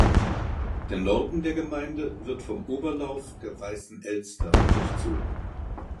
Der Norden der Gemeinde wird vom Oberlauf der Weißen Elster durchzogen.